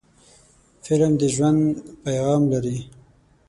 فلم د ژوند پیغام لري